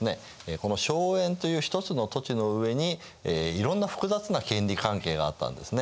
この荘園という一つの土地の上にいろんな複雑な権利関係があったんですね。